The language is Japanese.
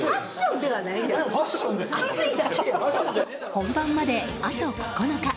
本番まで、あと９日。